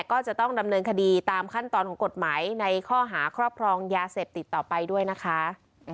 ก็จะต้องดำเนินคดีตามขั้นตอนของกฎหมายในข้อหาครอบครองยาเสพติดต่อไปด้วยนะคะ